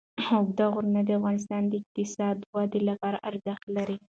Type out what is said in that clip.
اوږده غرونه د افغانستان د اقتصادي ودې لپاره ارزښت لري.